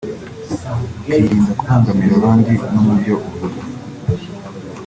ukirinda kubangamira abandi no mu byo uvuga